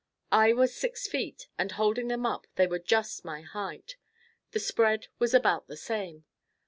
I was six feet, and holding them up, they were just my height. The spread was about the same.